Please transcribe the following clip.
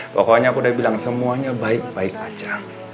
pokoknya aku udah bilang semuanya baik baik aja